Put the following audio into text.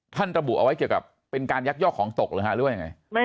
ท่านระบุเอาไว้เกี่ยวกับเป็นการยักยอกของตกหรือไง